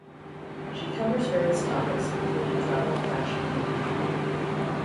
She covers various topics including travel, fashion, and beauty.